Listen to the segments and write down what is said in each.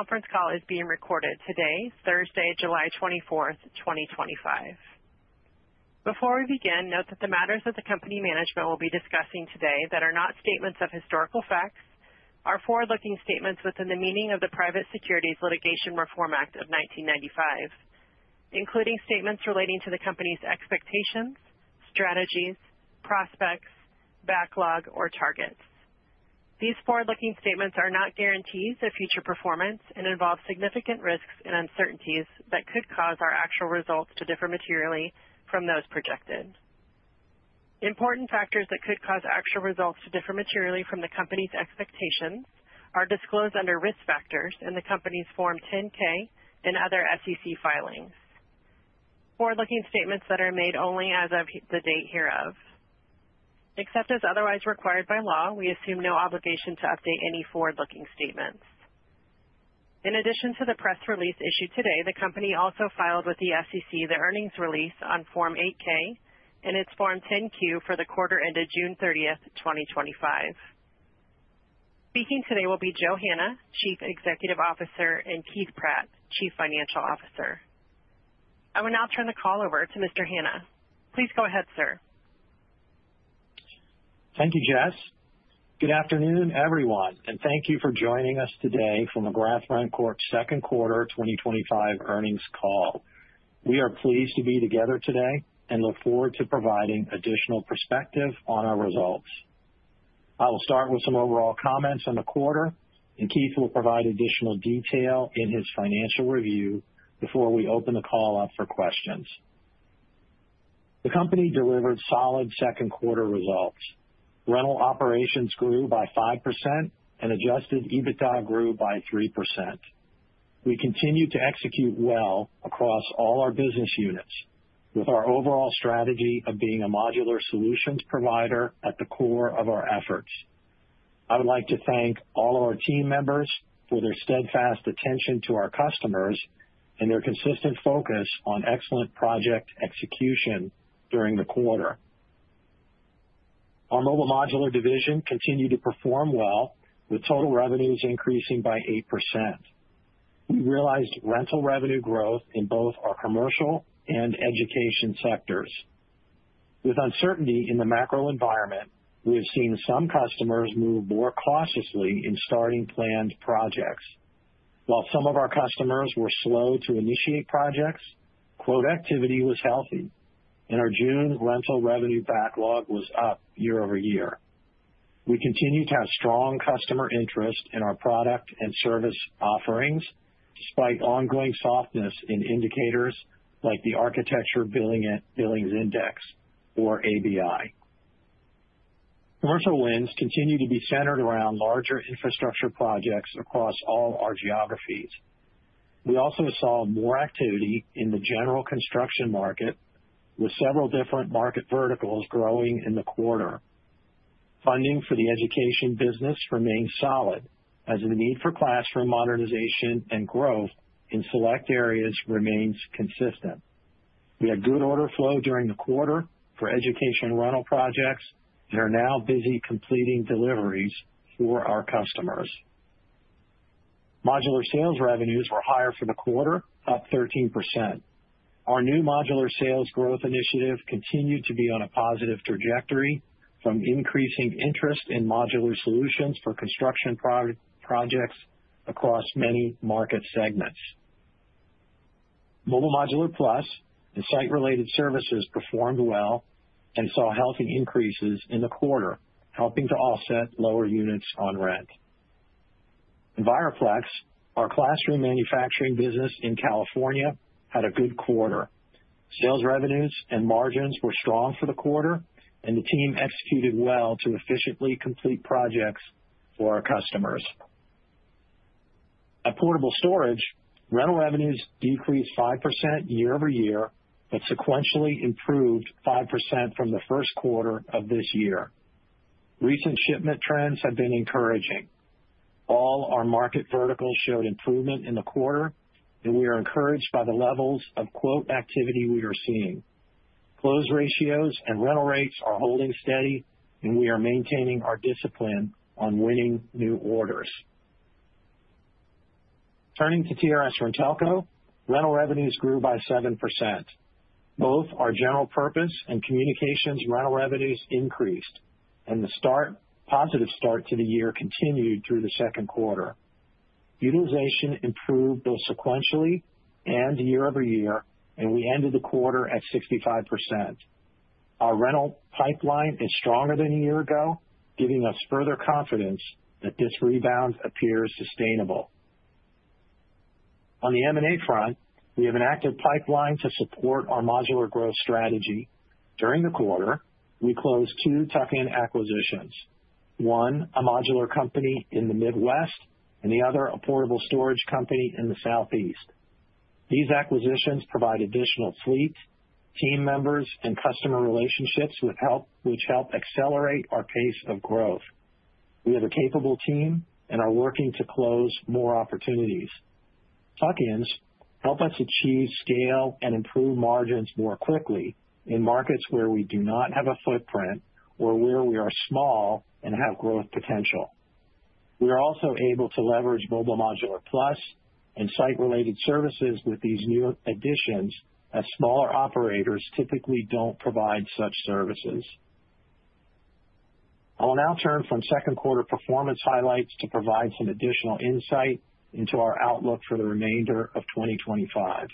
conference call is being recorded today, Thursday, 07/24/2025. Before we begin, note that the matters that the company management will be discussing today that are not statements of historical facts are forward looking statements within the meaning of the Private Securities Litigation Reform Act of 1995, including statements relating to the company's expectations, strategies, prospects, backlog or targets. These forward looking statements are not guarantees of future performance and involve significant risks and uncertainties that could cause our actual results to differ materially from those projected. Important factors that could cause actual results to differ materially from the company's expectations are disclosed under Risk Factors in the company's Form 10 ks and other SEC filings. Forward looking statements that are made only as of the date hereof. Except as otherwise required by law, we assume no obligation to update any forward looking statements. In addition to the press release issued today, the company also filed with the SEC the earnings release on Form eight ks and its Form 10 Q for the quarter ended 06/30/2025. Speaking today will be Joe Hanna, Chief Executive Officer and Keith Pratt, Chief Financial Officer. I will now turn the call over to Mr. Hanna. Please go ahead, sir. Thank you, Jess. Good afternoon, everyone, and thank you for joining us today for McGrath RentCorp's second quarter twenty twenty five earnings call. We are pleased to be together today and look forward to providing additional perspective on our results. I will start with some overall comments on the quarter and Keith will provide additional detail in his financial review before we open the call up for questions. The company delivered solid second quarter results. Rental operations grew by 5% and adjusted EBITDA grew by 3%. We continue to execute well across all our business units with our overall strategy of being a modular solutions provider at the core of our efforts. I would like to thank all of our team members for their steadfast attention to our customers and their consistent focus on excellent project execution during the quarter. Our Mobile Modular division continued to perform well with total revenues increasing by 8%. We realized rental revenue growth in both our commercial and education sectors. With uncertainty in the macro environment, we have seen some customers move more cautiously in starting planned projects. While some of our customers were slow to initiate projects, quote activity was healthy and our June rental revenue backlog was up year over year. We continue to have strong customer interest in our product and service offerings despite ongoing softness in indicators like the Architecture Billings Index or ABI. Commercial wins continue to be centered around larger infrastructure projects across all our geographies. We also saw more activity in the general construction market with several different market verticals growing in the quarter. Funding for the education business remains solid as the need for classroom modernization and growth in select areas remains consistent. We had good order flow during the quarter for education rental projects and are now busy completing deliveries for our customers. Modular sales revenues were higher for the quarter, up 13%. Our new modular sales growth initiative continued to be on a positive trajectory from increasing interest in modular solutions for construction projects across many market segments. Mobile Modular Plus and site related services performed well and saw healthy increases in the quarter helping to offset lower units on rent. Enviroplex, our classroom manufacturing business in California had a good quarter. Sales revenues and margins were strong for the quarter and the team executed well to efficiently complete projects for our customers. At Portable Storage, rental revenues decreased 5% year over year, but sequentially improved 5% from the first quarter of this year. Recent shipment trends have been encouraging. All our market verticals showed improvement in the quarter and we are encouraged by the levels of quote activity we are seeing. Close ratios and rental rates are holding steady and we are maintaining our discipline on winning new orders. Turning to TRS RenTelco, rental revenues grew by 7%. Both our general purpose and communications rental revenues increased and the start positive start to the year continued through the second quarter. Utilization improved both sequentially and year over year and we ended the quarter at 65%. Our rental pipeline is stronger than a year ago, giving us further confidence that this rebound appears sustainable. On the M and A front, we have an active pipeline to support our modular growth strategy. During the quarter, we closed two tuck in acquisitions. One, a modular company in the Midwest and the other a portable storage company in the Southeast. These acquisitions provide additional fleet, team members and customer relationships which help accelerate our pace of growth. We have a capable team and are working to close more opportunities. Tuck ins help us achieve scale and improve margins more quickly in markets where we do not have a footprint or where we are small and have growth potential. We are also able to leverage Mobile Modular Plus and site related services with these new additions as smaller operators typically don't provide such services. I'll now turn from second quarter performance highlights to provide some additional insight into our outlook for the remainder of 2025.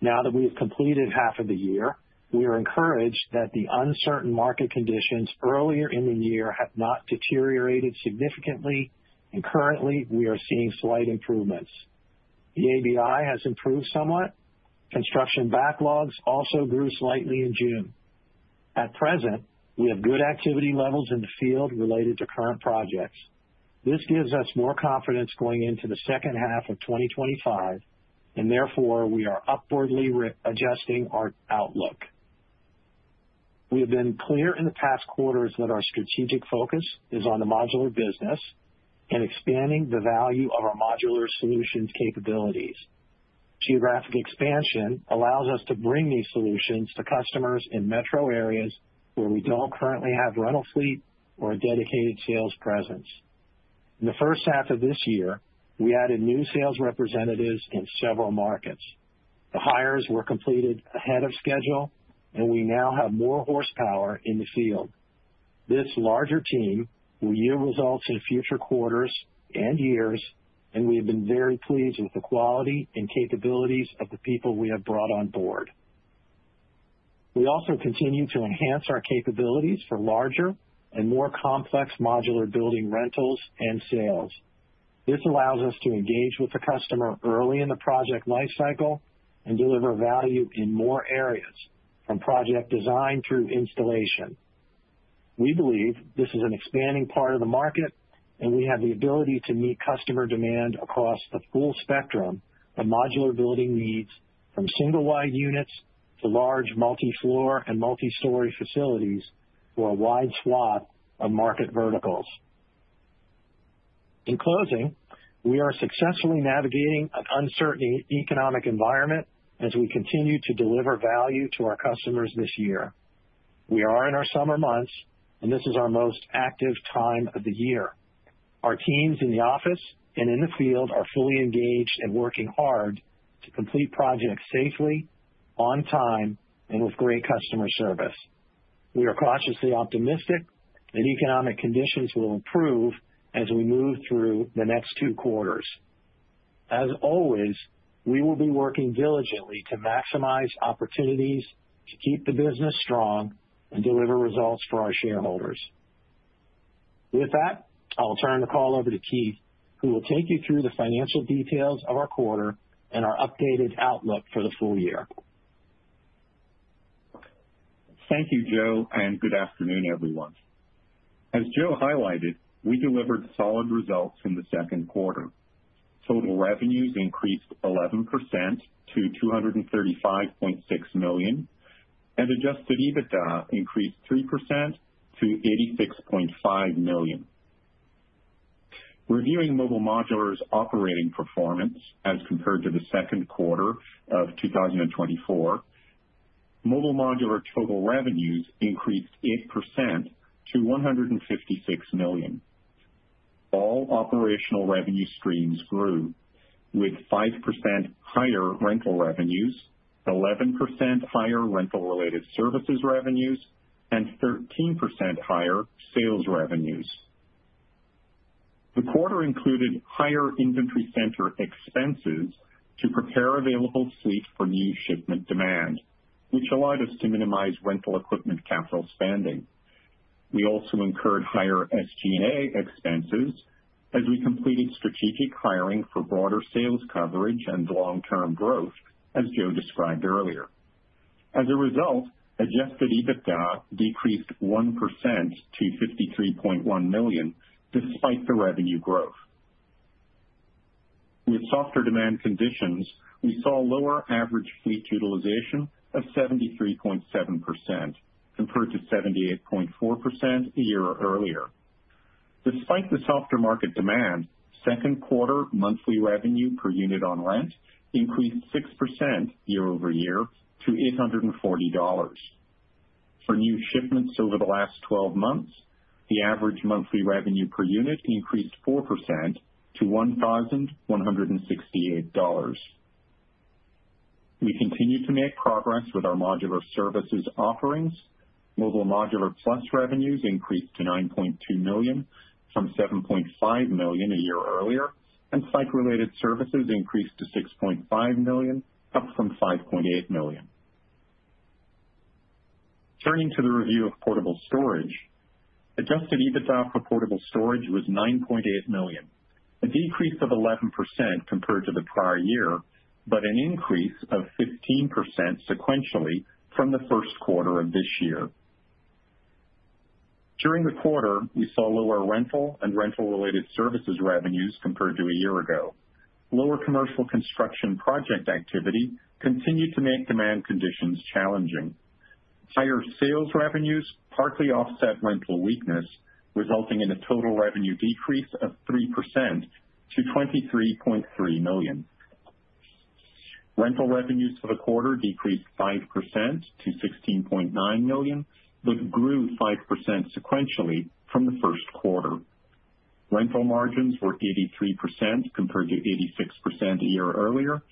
Now that we have completed half of the year, we are encouraged that the uncertain market conditions earlier in the year have not deteriorated significantly and currently we are seeing slight improvements. The ABI has improved somewhat. Construction backlogs also grew slightly in June. At present, we have good activity levels in the field related to current projects. This gives us more confidence going into the 2025 and therefore we are upwardly adjusting our outlook. We have been clear in the past quarters that our strategic focus is on the modular business and expanding the value of our modular solutions capabilities. Geographic expansion allows us to bring these solutions to customers in metro areas where we don't currently have rental fleet or a dedicated sales presence. In the first half of this year, we added new sales representatives in several markets. The hires were completed ahead of schedule and we now have more horsepower in the field. This larger team will yield results in future quarters and years and we've been very pleased with the quality and capabilities of the people we have brought on board. We also continue to enhance our capabilities for larger and more complex modular building rentals and sales. This allows us to engage with the customer early in the project lifecycle and deliver value in more areas from project design through installation. We believe this is an expanding part of the market and we have the ability to meet customer demand across the full spectrum of modular building needs from single wide units to large multi floor and multi storey facilities for a wide swath of market verticals. In closing, we are successfully navigating an uncertain economic environment as we continue to deliver value to our customers this year. We are in our summer months and this is our most active time of the year. Our teams in the office and in the field are fully engaged and working hard to complete projects safely, on time and with great customer service. We are cautiously optimistic that economic conditions will improve as we move through the next two quarters. As always, we will be working diligently to maximize opportunities to keep the business strong and deliver results for our shareholders. With that, I'll turn the call over to Keith, who will take you through the financial details of our quarter and our updated outlook for the full year. Thank you, Joe, and good afternoon, everyone. As Joe highlighted, we delivered solid results in the second quarter. Total revenues increased 11% to $235,600,000 and adjusted EBITDA increased 3% to 86,500,000.0 Reviewing Mobile Modular's operating performance as compared to the second quarter of twenty twenty four, Mobile Modular total revenues increased 8% to $156,000,000 All operational revenue streams grew with 5% higher rental revenues, 11% higher rental related services revenues and 13% higher sales revenues. The quarter included higher inventory center expenses to prepare available fleet for new shipment demand, which allowed us to minimize rental equipment capital spending. We also incurred higher SG and A expenses as we completed strategic hiring for broader sales coverage and long term growth as Joe described earlier. As a result, adjusted EBITDA decreased 1% to 53,100,000 despite the revenue growth. With softer demand conditions, we saw lower average fleet utilization of 73.7% compared to 78.4% a year earlier. Despite the softer market demand, second quarter monthly revenue per unit on rent increased six percent year over year to $840 For new shipments over the last twelve months, the average monthly revenue per unit increased 4% to $11.68 dollars We continue to make progress with our modular services offerings. Mobile Modular Plus revenues increased to $9,200,000 from $7,500,000 a year earlier and site related services increased to $6,500,000 up from 5,800,000.0 Turning to the review of Portable Storage. Adjusted EBITDA for Portable Storage was $9,800,000 a decrease of 11% compared to the prior year, but an increase of 15% sequentially from the first quarter of this year. Compared During the quarter, we saw lower rental and rental related services revenues compared to a year ago. Lower commercial construction project activity continued to make demand conditions challenging. Higher sales revenues partly offset rental weakness resulting in a total revenue decrease of 3% to 23,300,000.0 Rental revenues for the quarter decreased 5% to $16,900,000 but grew 5% sequentially from the first quarter. Rental margins were 83% compared to 86% a year earlier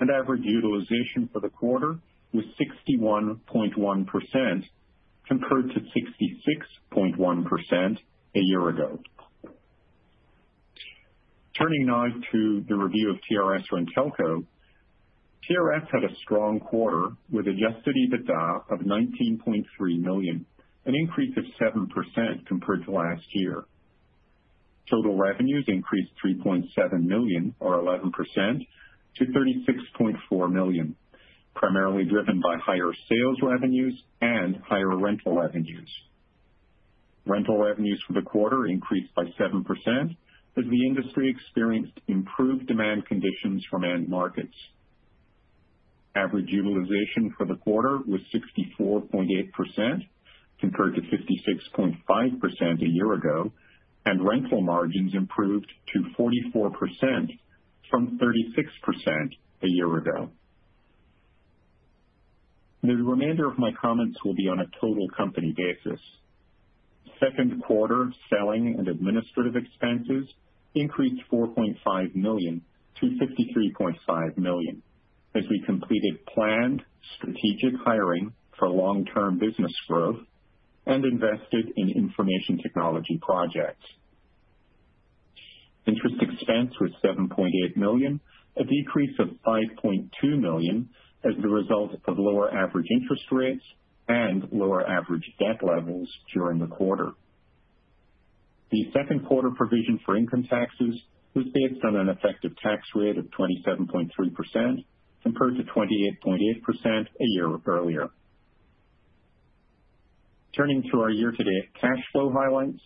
and average utilization for the quarter was 61.1% compared to 66.1% a year ago. Turning now to the review of TRS RenTelco. TRS had a strong quarter with adjusted EBITDA of $19,300,000 an increase of 7% compared to last year. Total revenues increased $3,700,000 or 11% to $36,400,000 primarily driven by higher sales revenues and higher rental revenues. Rental revenues for the quarter increased by 7% as the industry experienced improved demand conditions from end markets. Average utilization for the quarter was 64.8% compared to 56.5% a year ago and rental margins improved to 44% from 36% a year ago. The remainder of my comments will be on a total company basis. Second quarter selling and administrative expenses increased $4,500,000 to $53,500,000 as we completed planned strategic hiring for long term business growth and invested in information technology projects. Interest expense was $7,800,000 a decrease of $5,200,000 as the result of lower average interest rates and lower average debt levels during the quarter. The second quarter provision for income taxes was based on an effective tax rate of 27.3% compared to 28.8% a year earlier. Turning to our year to date cash flow highlights,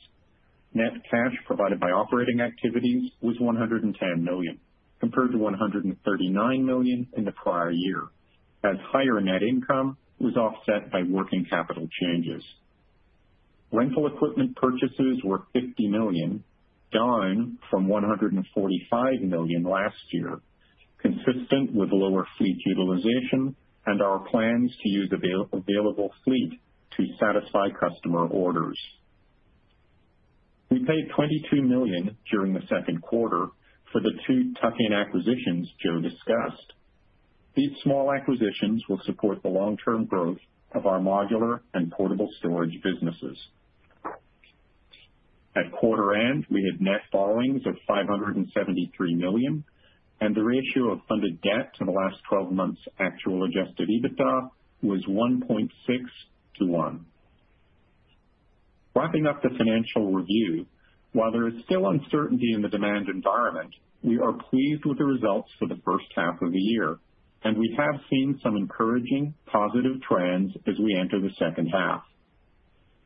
Net cash provided by operating activities was $110,000,000 compared to $139,000,000 in the prior year as higher net income was offset by working capital changes. Rental equipment purchases were $50,000,000 down from $145,000,000 last year, consistent with lower fleet utilization and our plans to use available fleet to satisfy customer orders. We paid $22,000,000 during the second quarter for the two tuck in acquisitions Joe discussed. These small acquisitions will support the long term growth of our modular and portable storage businesses. At quarter end, we had net borrowings of $573,000,000 and the ratio of funded debt to the last twelve months actual adjusted EBITDA was 1.6 to one. Wrapping up the financial review, while there is still uncertainty in the demand environment, we are pleased with the results for the first half of the year and we have seen some encouraging positive trends as we enter the second half.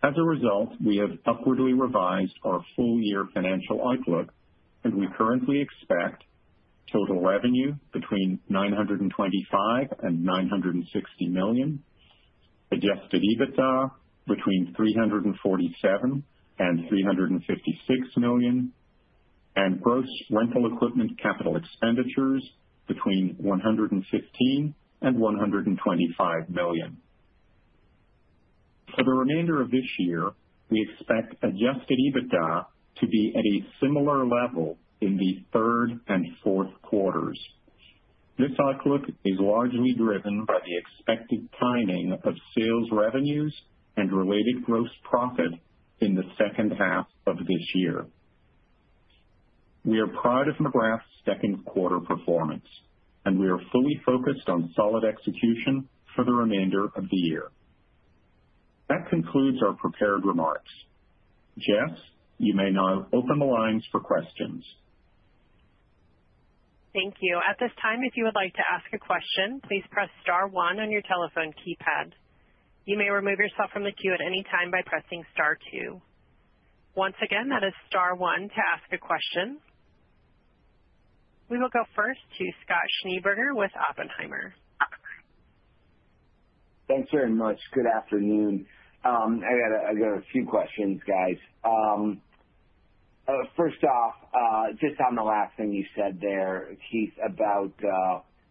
As a result, we have upwardly revised our full year financial outlook and we currently expect total revenue between $925,000,000 and $960,000,000 adjusted EBITDA between $347,000,000 and $356,000,000 and gross rental equipment capital expenditures between 115,000,000 and $125,000,000 For the remainder of this year, we expect adjusted EBITDA to be at a similar level in the third and fourth quarters. This outlook is largely driven by the expected timing of sales revenues and related gross profit in the second half of this year. We are proud of McGrath's second quarter performance and we are fully focused on solid execution for the remainder of the year. That concludes our prepared remarks. Jess, you may now open the lines for questions. Thank you. We will go first to Scott Schneeberger with Oppenheimer. Thanks very much. Good afternoon. I got a few questions, guys. First off, just on the last thing you said there, Keith, about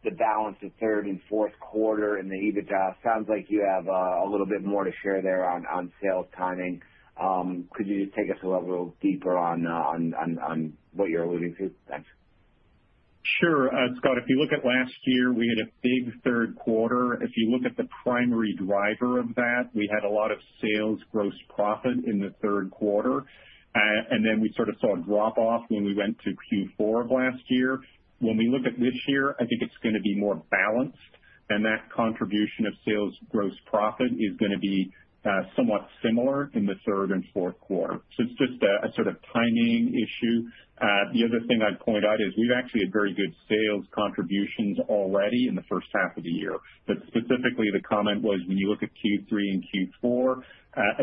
the balance of third and fourth quarter and the EBITDA. Sounds like you have a little bit more to share there on sales timing. Could you just take us a little deeper Thanks. Sure. Scott, if you look at last year, we had a big third quarter. If you look at the primary driver of that, we had a lot of sales gross profit in the third quarter. And then we sort of saw a drop off when we went to Q4 of last year. When we look at this year, I think it's going to be more balanced and that contribution of sales gross profit is going to be somewhat similar in the third and fourth quarter. So it's just a sort of timing issue. The other thing I'd point out is we've actually had very good sales contributions already in the first half of the year. But specifically, the comment was when you look at Q3 and Q4,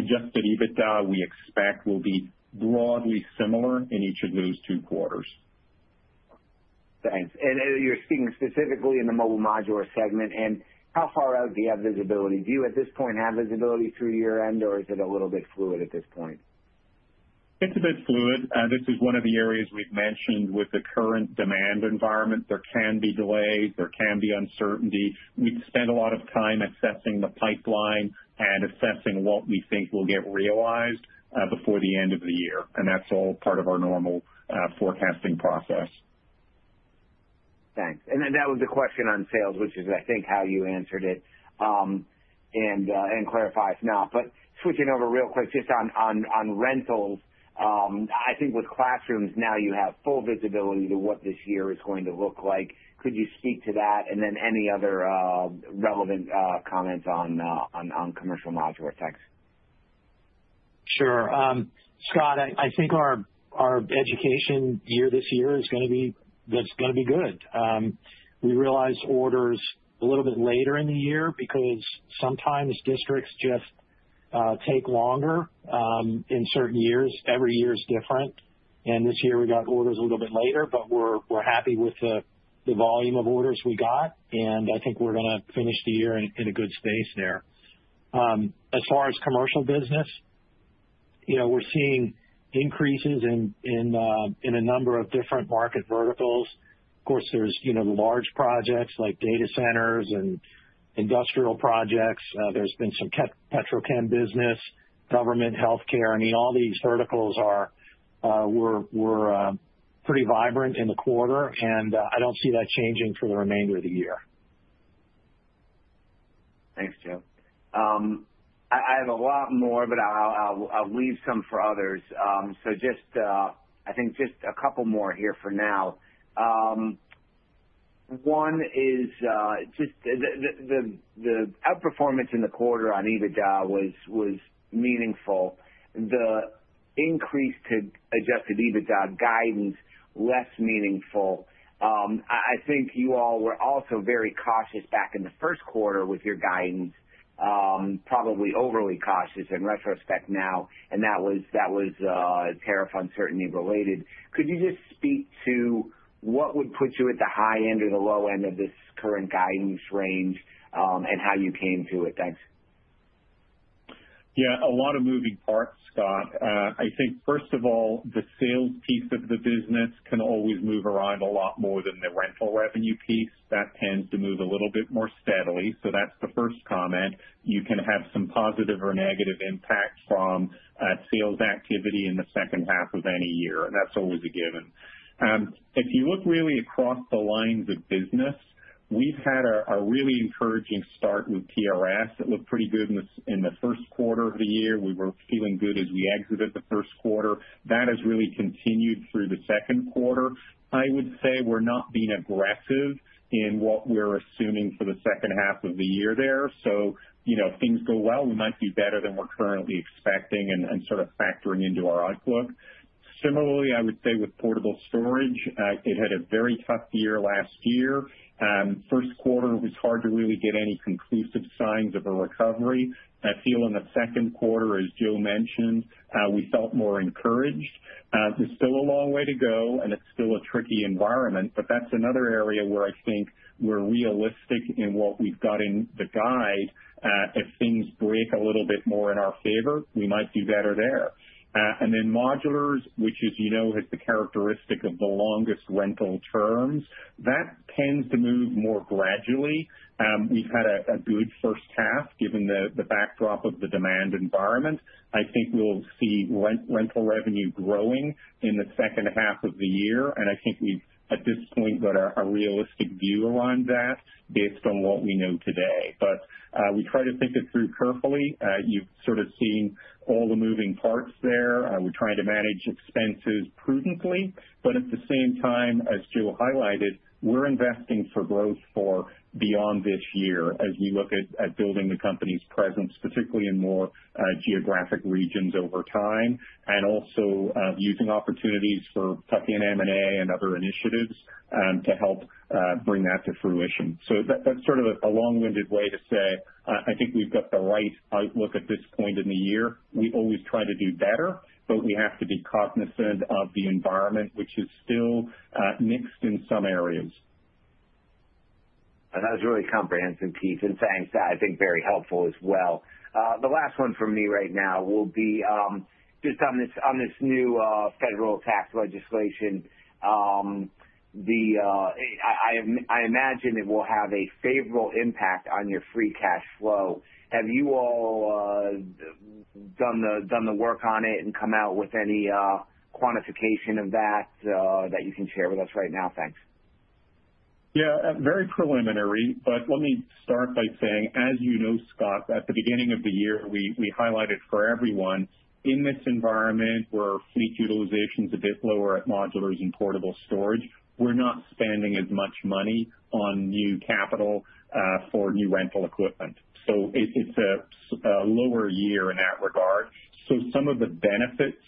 adjusted EBITDA, we expect will be broadly similar in each of those two quarters. Thanks. And you're speaking specifically in the Mobile Modular segment and how far out do you have visibility? Do you at this point have visibility through year end or is it a little bit fluid at this point? It's a bit fluid. This is one of the areas we've mentioned with the current demand environment. There can be delays, there can be uncertainty. We spend a lot of time assessing the pipeline and assessing what we think will get realized before the end of the year. And that's all part of our normal forecasting process. Thanks. And then that was the question on sales, which is I think how you answered it and clarify if not. But switching over real quick just on rentals, I think with classrooms now you have full visibility to what this year is going to look like. Could you speak to that? And then any other relevant comments on commercial modular? Thanks. Sure. Scott, I think our education year this year is going to be good. We realized orders a little bit later in the year because sometimes districts just take longer in certain years. Every year is different. And this year we got orders a little bit later, but we're happy with the volume of orders we got. And I think we're going to finish the year in a good space there. As far as commercial business, we're seeing increases in a number of different market verticals. Of course, there's large projects like data centers and industrial projects. There's been some petrochem business, government healthcare. I mean, these verticals are were pretty vibrant in the quarter and I don't see that changing for the remainder of the year. Thanks, Joe. I have a lot more, but I'll leave some for others. So just I think just a couple more here for now. One is just the outperformance in the quarter on EBITDA was meaningful. The increase to adjusted EBITDA guidance less meaningful. I think you all were also very cautious back in the first quarter with your guidance, probably overly cautious in retrospect now and that was tariff uncertainty related. Could you just speak to what would put you at the high end or the low end of this current guidance range and how you came to it? Thanks. Yes, a lot of moving parts, Scott. I think first of all, the sales piece of the business can always move around a lot more than the rental revenue piece that tends to move a little bit more steadily. So that's the first comment. You can have some positive or negative impact from sales activity in the second half of any year and that's always a given. If you look really across the lines of business, we've had a really encouraging start with TRS. It looked pretty good in the first quarter of the year. We were feeling good as we exited the first quarter. That has really continued through the second quarter. I would say we're not being aggressive in what we're assuming for the second half of the year there. So, things go well, we might be better than we're currently expecting and sort of factoring into our outlook. Similarly, I would say with portable storage, it had a very tough year last year. First quarter was hard to really get any conclusive signs of a recovery. I feel in the second quarter, as Joe mentioned, we felt more encouraged. There's still a long way to go and it's still a tricky environment, but that's another area where I think we're realistic in what we've got in the guide. If things break a little bit more in our favor, we might do better there. And then modulars, which is you know, has the characteristic of the longest rental terms that tends to move more gradually. We've had a good first half given the backdrop of the demand environment. I think we will see rental revenue growing in the second half of the year. And I think we at this point got a realistic view around that based on what we know today. But we try to think it through carefully. You have sort of seen all the moving parts there. We're trying to manage expenses prudently. But at the same time, as Joe highlighted, we're investing for growth for beyond this year as we look at building the company's presence, particularly in more geographic regions over time and also using opportunities for tuck in M and A and other initiatives to help bring that to fruition. So that's sort of a long winded way to say, I think we've got the right outlook at this point in the year. We always try to do better, but we have to be cognizant of the environment, which is still mixed in some areas. That was really comprehensive, Keith. Thanks, I think very helpful as well. The last one for me right now will be just on this new federal tax legislation. I imagine it will have a favorable impact on your free cash flow. Have you all done the work on it and come out with any quantification of that that you can share with us right now? Thanks. Yes, very preliminary. But let me start by saying, as you know, Scott, at the beginning of the year, we highlighted for everyone in this environment where fleet utilization is a bit lower at modulars and portable storage, we're not spending as much money on new capital for new rental equipment. So it's a lower year in that regard. So some of the benefits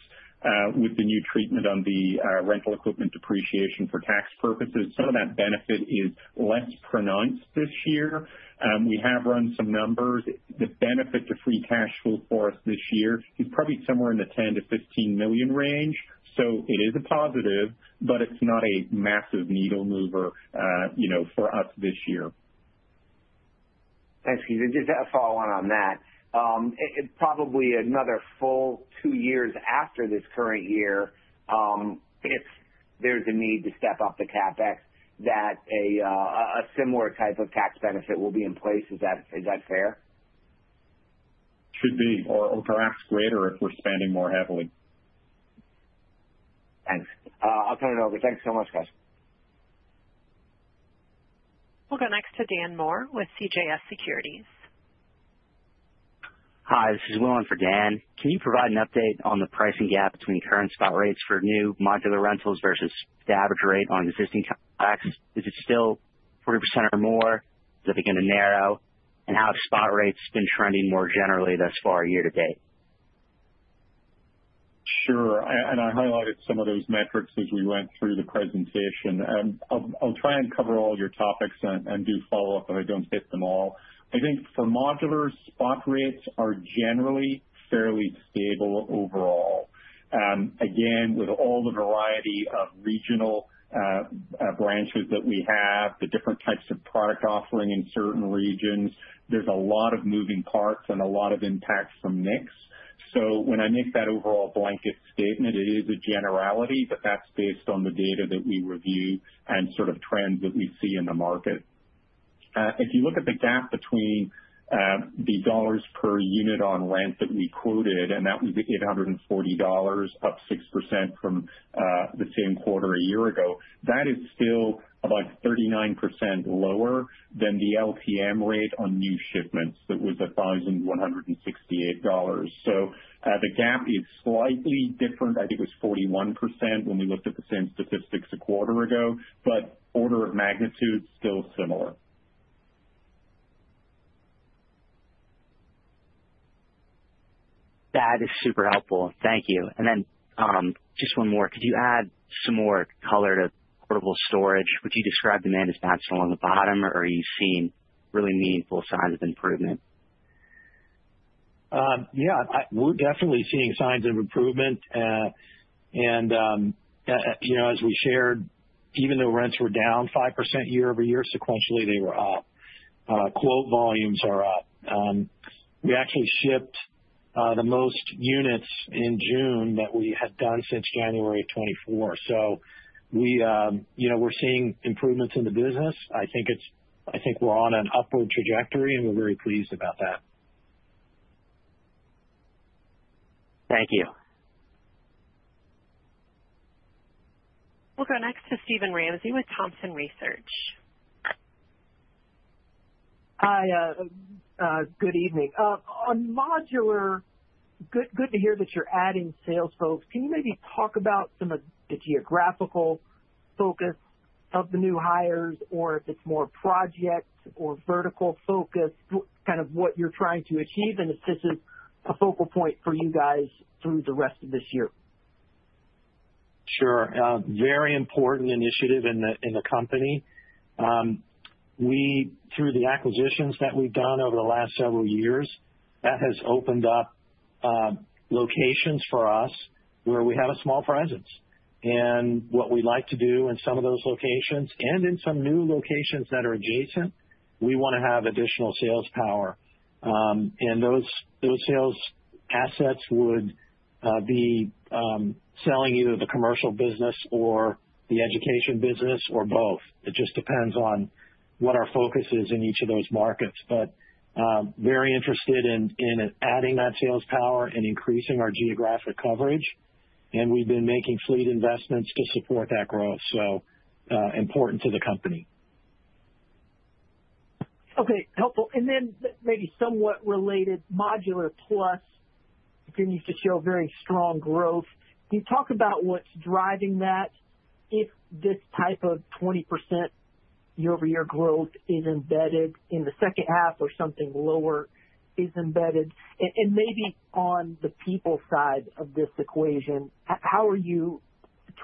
with the new treatment on the rental equipment depreciation for tax purposes, some of that benefit is less pronounced this year. We have run some numbers. The benefit to free cash flow for us this year is probably somewhere in the 10,000,000 to $15,000,000 range. So it is a positive, but it's not a massive needle mover for us this year. Thanks, Keith. And just a follow on on that. It's probably another full two years after this current year, if there's a need to step up the CapEx that a similar type of tax benefit will be in place. Is that fair? Should be or perhaps greater if we're spending more heavily. Thanks. I'll turn it over. Thanks so much guys. We'll go next to Dan Moore with CJS Securities. Hi, this is Will on for Dan. Can you provide an update on the pricing gap between current spot rates for new modular rentals versus the average rate on existing tax? Is it still 40% or more? Is it going to narrow? And how spot rates been trending more generally thus far year to date? Sure. And I highlighted some of those metrics as we went through the presentation. I'll try and cover all your topics and do follow-up, but I don't hit them all. I think for modulars, spot rates are generally fairly stable overall. Again, with all the variety of regional branches that we have, the different types of product offering in certain regions, there's a lot of moving parts and a lot of impacts from mix. So, when I make that overall blanket statement, it is a generality, but that's based on the data that we review and sort of trends that we see in the market. If you look at the gap between the dollars per unit on rent that we quoted and that was $840 up 6% from the same quarter a year ago, that is still about 39% lower than the LTM rate on new shipments with $11.68 dollars So, the gap is slightly different. I think it was 41% when we looked at the same statistics a quarter ago, but order of magnitude still similar. That is super helpful. Thank you. And then just one more. Could you add some more color to portable storage? Would you describe demand as not still on the bottom? Or are you seeing really meaningful signs of improvement? Yes, we're definitely seeing signs of improvement. And as we shared, even though rents were down 5% year over year sequentially, they were up. Quote volumes are up. We actually shipped the most units in June that we had done since January 24. So, we're seeing improvements in the business. I think it's I think we're on an upward trajectory and we're very pleased about that. Thank you. We'll go next to Steven Ramsey with Thompson Research. Hi, good evening. On modular, good to hear that you're adding sales folks. Can you maybe talk about some of the geographical focus of the new hires or if it's more project or vertical focus, kind of what you're trying to achieve and if this is a focal point for you guys through the rest of this year? Sure. Very important initiative in the company. Through the acquisitions that we've done over the last several years that has opened up locations for us where we have a small presence. And what we like to do in some of those locations and in some new locations that are adjacent, we want to have additional sales power. And those sales assets would be selling either the commercial business or the education business or both. It just depends on what our focus is in each of those markets. But very interested in adding that sales power and increasing our geographic coverage. And we've been making fleet investments to support that growth. So important to the company. Okay, helpful. And then maybe somewhat related Modular Plus continues to show very strong growth. Can you talk about what's driving that if this type of 20% year over year growth is embedded in the second half or something lower is embedded? And maybe on the people side of this equation, how are you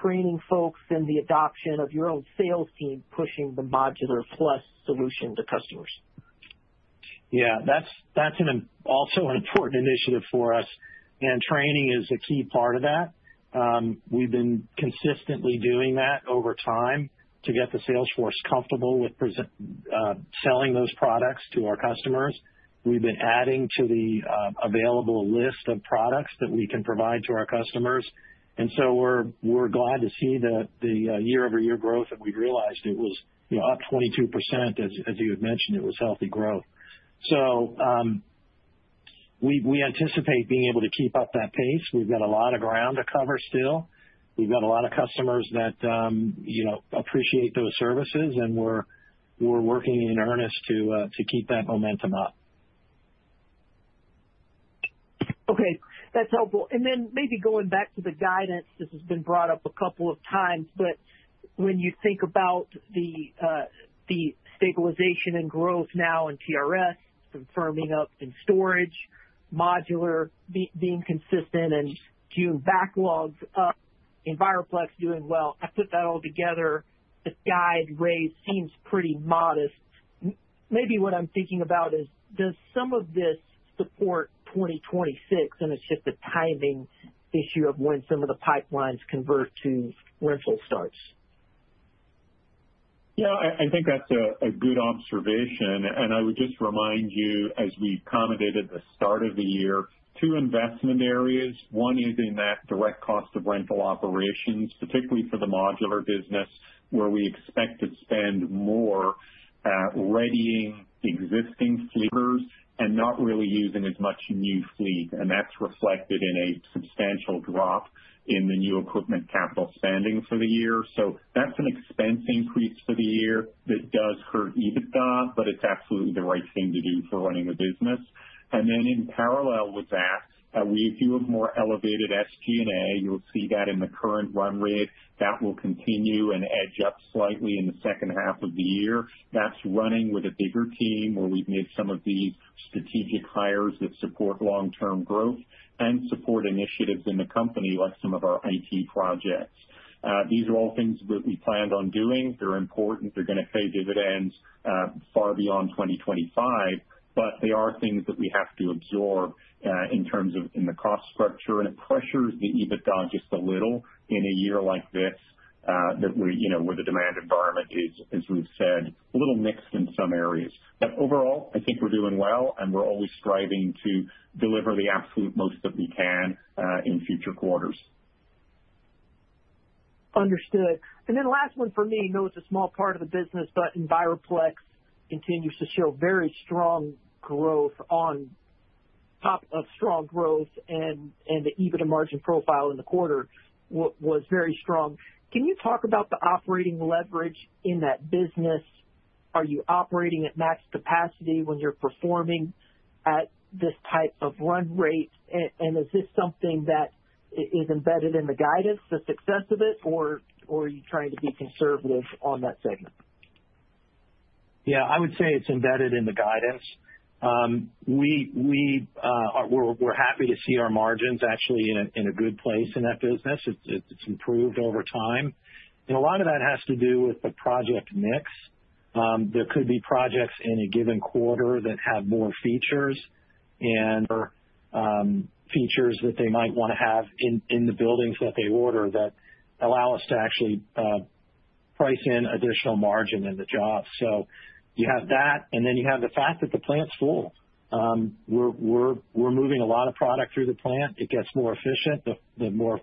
training folks in the adoption of your own sales team pushing the Modular Plus solution to customers? Yes. That's also an important initiative for us. And training is a key part of that. We've been consistently doing that over time to get the sales force comfortable with selling those products to our customers. We've been adding to the available list of products that we can provide to our customers. And so we're glad to see the year over year growth that we've realized it was up 22% as you had mentioned, was healthy growth. So we anticipate being able to keep up that pace. We've got a lot of ground to cover still. We've got a lot of customers that appreciate those services and we're working in earnest to keep that momentum up. Okay, that's helpful. And then maybe going back to the guidance, this has been brought up a couple of times, but when you think about the stabilization and growth now in TRS firming up in storage, modular being consistent and June backlogs up, Enviroplex doing well. I put that all together, The guide rate seems pretty modest. Maybe what I'm thinking about is, does some of this support 2026 and it's just the timing issue of when some of the pipelines convert to rental starts? Yes, I think that's a good observation. And I would just remind you as we commented at the start of the year, two investment areas. One is in that direct cost of rental operations, particularly for the modular business where we expect to spend more readying existing fleet and not really using as much new fleet. And that's reflected in a substantial drop in the new equipment capital spending for the year. So that's an expense increase for the year that does hurt EBITDA, but it's absolutely the right thing to do for running the business. And then in parallel with that, we view a more elevated SG and A. You'll see that in the current run rate that will continue and edge up slightly in the second half of the year. That's running with a bigger team where we've made some of these strategic hires that support long term growth and support initiatives in the company like some of our IT projects. These are all things that we planned on doing. They're important. They're going to pay dividends far beyond 2025, but they are things that we have to absorb in terms of in the cost structure and it pressures the EBITDA just a little in a year like this where the demand environment is, as we've said, a little mixed in some areas. But overall, I think we're doing well and we're always striving to deliver the absolute most that we can in future quarters. Understood. And then last one for me, know it's a small part of the business, but Enviroplex continues to show very strong growth on top of strong growth and the EBITDA margin profile in the quarter was very strong. Can you talk about the operating leverage in that business? Are you operating at max capacity when you're performing at this type of run rate? And is this something that is embedded in the guidance, the success of it or are you trying to be conservative on that segment? Yes, I would say it's embedded in the guidance. We're happy to see our margins actually in a good place in that business. It's improved over time. And a lot of that has to do with the project mix. There could be projects in a given quarter that have more features and features that they might want to have in the buildings that they order that allow us to actually price in additional margin in the job. So you have that and then you have the fact that the plant is full. We're moving a lot of product through the plant. It gets more efficient, the more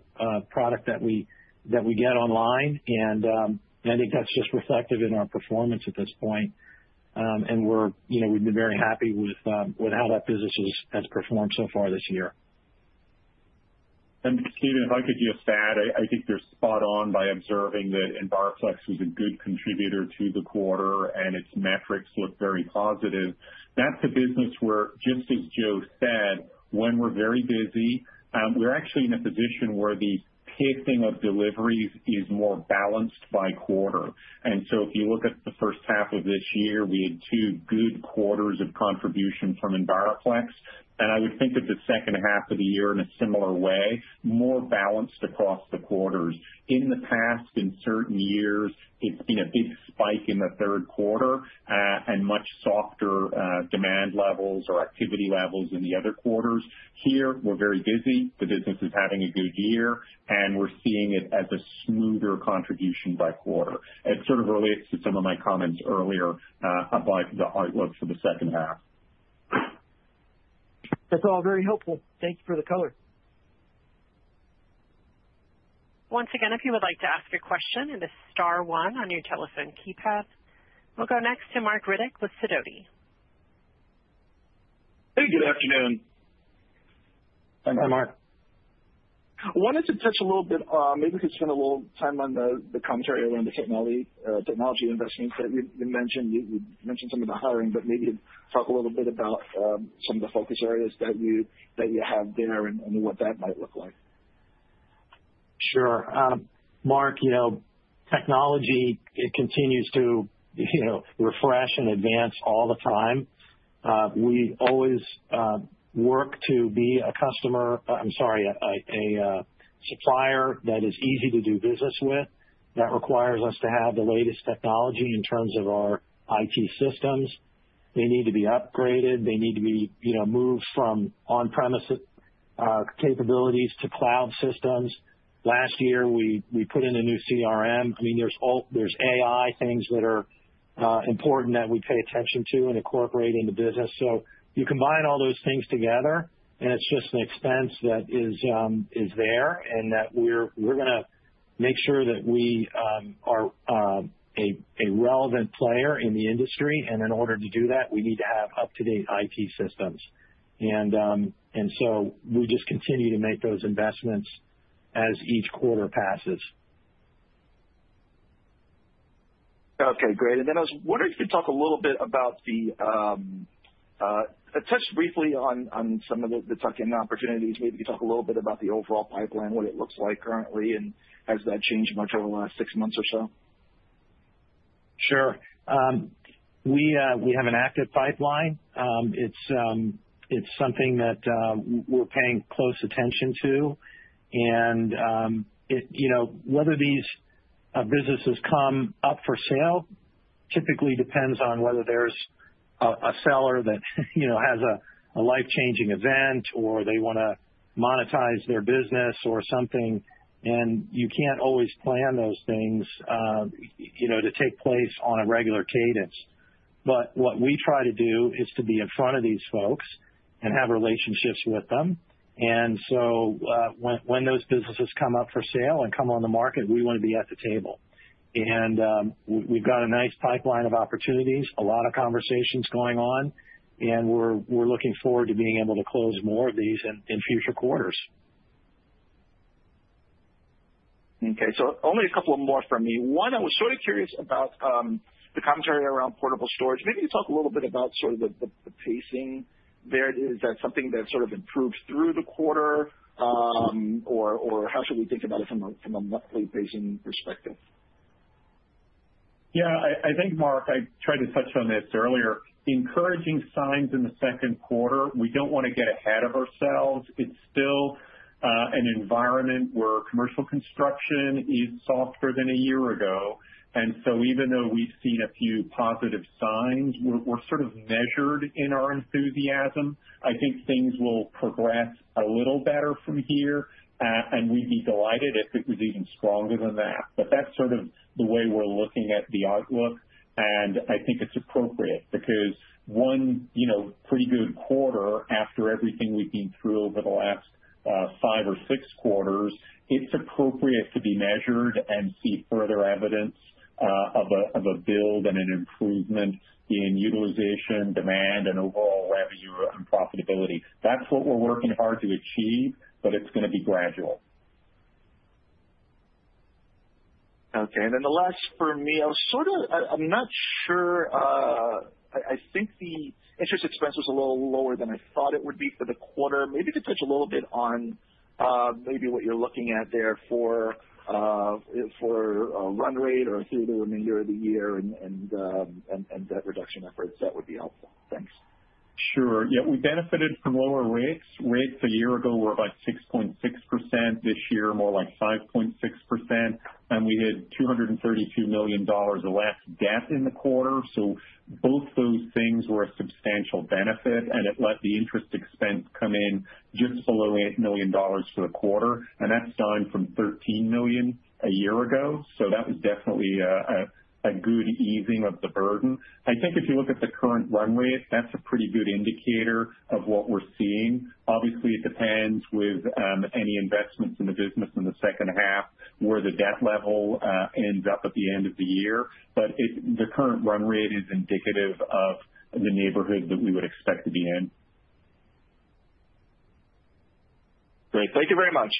product that we get online. And think that's just reflected in our performance at this point. And we've been very happy with how that business has performed so far this year. Stephen, if I could just add, I think you're spot on by observing that Enviroflex was a good contributor to the quarter and its metrics look very positive. That's a business where just as Joe said, when we're very busy, we're actually in a position where the pacing of deliveries is more balanced by quarter. And so if you look at the first half of this year, we had two good quarters of contribution from Enviroflex. And I would think that the second half of the year in a similar way, more balanced across the quarters. In the past, in certain years, it's been a big spike in the third quarter and much softer demand levels or activity levels in the other quarters. Here, we're very busy. The business is having a good year and we're seeing it as a smoother contribution by quarter. It's sort of related to some of my comments earlier about the outlook for the second half. That's all very helpful. Thanks for the color. We'll go next to Mark Riddick with Sidoti. Hey, good afternoon. Hi, Mark. Wanted to touch a little bit maybe you could spend a little time on the commentary around the technology investments that you mentioned. You mentioned some of the hiring, but maybe talk a little bit about some of the focus areas that you have there and what that might look like? Sure. Mark, technology continues to refresh and advance all the time. We always work to be a customer I'm sorry, a supplier that is easy to do business with that requires us to have the latest technology in terms of our IT systems. They need to be upgraded. They need to be moved from on premises capabilities to cloud systems. Last year, we put in a new CRM. I mean, there's AI things that are important that we pay attention to and incorporate into business. So you combine all those things together and it's just an expense that is there and that we're going to make sure that we are a relevant player in the industry. And in order to do that, we need to have up to date IT systems. And so we just continue to make those investments as each quarter passes. Okay, great. And then I was wondering if you could talk a little bit about the touch briefly on some of the tuck in opportunities. Maybe you could talk a little bit about the overall pipeline, what it looks like currently and has that changed much over the last six months or so? Sure. We have an active pipeline. It's something that we're paying close attention to. And whether these businesses come up for sale typically depends on whether there's a seller that has a life changing event or they want to monetize their business or something. And you can't always plan those things to take place on a regular cadence. But what we try to do is to be in front of these folks and have relationships with them. And so when those businesses come up for sale and come on the market, we want to be at the table. And we've got a nice pipeline of opportunities, a lot of conversations going on and we're looking forward to being able to close more of these in future quarters. Okay. So only a couple of more from me. One, I was sort of curious about the commentary around portable storage. Maybe you talk a little bit about sort of the pacing there. Is that something that sort of improved through the quarter? Or how should we think about it from a monthly pacing perspective? Yes. I think, Mark, I tried to touch on this earlier. Encouraging signs in the second quarter, we don't want to get ahead of ourselves. It's still an environment where commercial construction is softer than a year ago. And so even though we've seen a few positive signs, we're sort of measured in our enthusiasm. I think things will progress a little better from here and we'd be delighted if it was even stronger than that. But that's sort of the way we're looking at the outlook. And I think it's appropriate because one pretty good quarter after everything we've been through over the last five or six quarters, it's appropriate to be measured and see further evidence of a build and an improvement in utilization, demand and overall revenue and profitability. That's what we're working hard to achieve, but it's going to be gradual. Okay. And then the last for me, I was sort of I'm not sure, I think the interest expense was a little lower than I thought it would be for the quarter. Maybe you could touch a little bit on maybe what you're looking at there for run rate or through the remainder of the year and debt reduction efforts that would be helpful. Thanks. Sure. Yes, we benefited from lower rates. Rates a year ago were about 6.6%, this year more like 5.6% and we had $232,000,000 of less debt in the quarter. So both those things were a substantial benefit and it led the interest expense come in just below $8,000,000 for the quarter and that's down from $13,000,000 a year ago. So that was definitely a good easing of the burden. I think if you look at the current run rate, that's a pretty good indicator of what we're seeing. Obviously, depends with any investments in the business in the second half where the debt level ends up at the end of the year. But the current run rate is indicative of the neighborhood that we would expect to be in. Great. Thank you very much.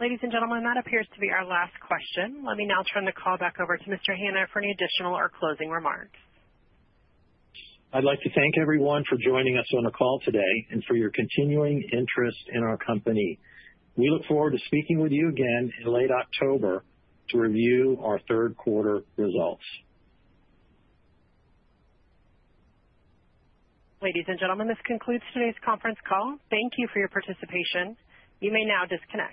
Ladies and gentlemen, that appears to be our last question. Let me now turn the call back over to Mr. Hanna for any additional or closing remarks. I'd like to thank everyone for joining us on the call today and for your continuing interest in our company. We look forward to speaking with you again in late October to review our third quarter results. Ladies and gentlemen, this concludes today's conference call. Thank you for your participation. You may now disconnect.